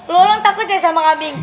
lo orang takut ya sama kambing